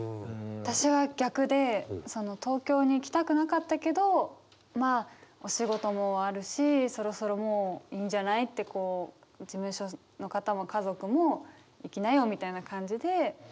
私は逆で東京に来たくなかったけどまあお仕事もあるしそろそろもういいんじゃないって事務所の方も家族も行きなよみたいな感じで。